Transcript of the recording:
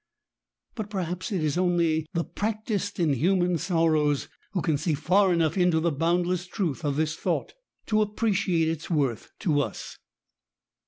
• But perhaps it is only the practised in human sorrows who can see far enough into the boundless truth of this thought to appreciate its worth to us.